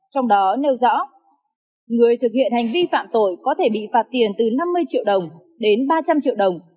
trong đó nêu rõ người thực hiện hành vi phạm tội có thể bị phạt tiền từ năm mươi triệu đồng đến ba trăm linh triệu đồng